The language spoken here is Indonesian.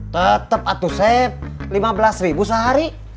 tetep atuh seb lima belas ribu sehari